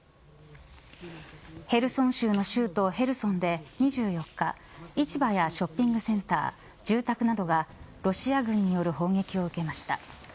ヘルソン州とヘルソンで２４日市場やショッピングセンター住宅などがロシア軍による砲撃を受けました。